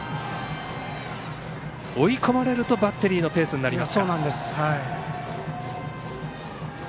追い込まれるとバッテリーのペースになります。